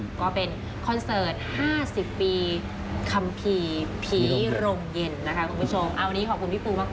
ก็เป็นคอนเสิร์ต๕๐ปีคัมผีผีโรงเย็นนะคะคุณผู้ชม